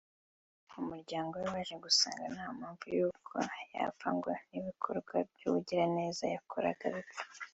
umuryango we waje gusanga nta mpamvu y’uko yapfa ngo n’ibikorwa by’ubugiraneza yakoraga bipfe